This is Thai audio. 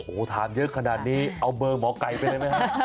โอ้โหถามเยอะขนาดนี้เอาเบอร์หมอไก่ไปเลยไหมฮะ